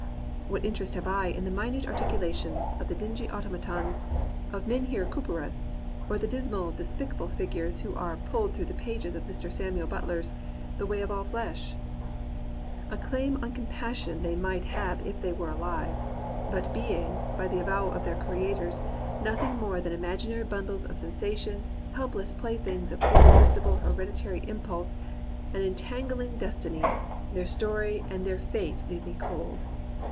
^ What interest have I in the minute ar ticulations of the dingy automatons of Mijnheer Couperus, or the dismal, despicable figures who are pulled through the pages of Mr. Samuel Butler's The Way of All Flesh ? A claim on compassion they 140 GEORGE ELIOT AND REAL WOMEN might have if they were alive. But being, by the avowal of their creators, nothing more than imag inary bundles of sensation, helpless playthings of irresistible hereditary impulse and entangling des tiny, their story and their fate leave me cold.